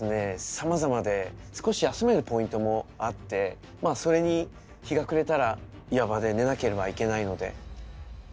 さまざまで少し休めるポイントもあってまあそれに日が暮れたら岩場で寝なければいけないので。